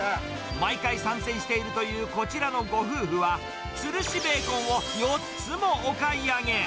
毎回参戦しているというこちらのご夫婦は、つるしベーコンを４つもお買い上げ。